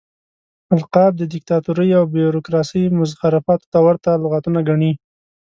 القاب د ديکتاتورۍ او بيروکراسۍ مزخرفاتو ته ورته لغتونه ګڼي.